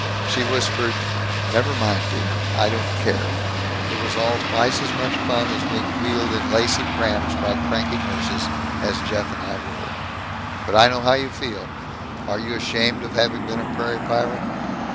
She whispered, "Never mind, dear. I don't care. It was all twice as much fun as being wheeled in lacy prams by cranky nurses, as Jeff and I were. But I know how you feel. Are you ashamed of having been a prairie pirate?"